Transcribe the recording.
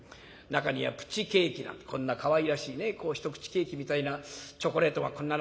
中にはプチケーキなんてこんなかわいらしいね一口ケーキみたいなチョコレートはこんな。